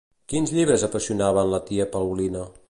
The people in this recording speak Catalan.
Quins llibres apassionaven la tia Paulina?